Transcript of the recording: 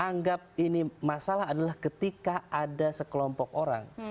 anggap ini masalah adalah ketika ada sekelompok orang